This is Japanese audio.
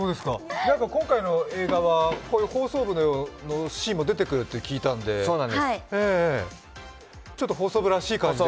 今回の映画はこういう放送部のシーンも出てくると聞いたんで、ちょっと放送部らしい感じで。